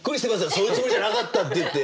そういうつもりじゃなかったっていって！